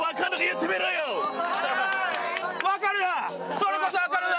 それこそわかるわ！